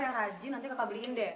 yang rajin nanti kaka beliin deh